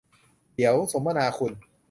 เดี๋ยวสมนาคุณ